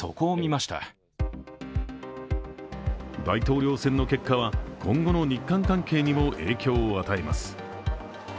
大統領選の結果は今後の日韓関係にも影響を与えます。